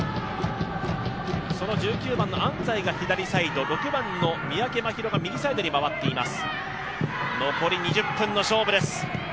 その１９番の安西が左サイド、６番の三宅万尋が右サイドに回っています。